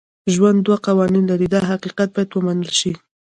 ژوند دوه قوانین لري دا حقیقت باید ومنل شي.